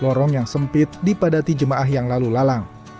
lorong yang sempit dipadati jemaah yang lalu lalang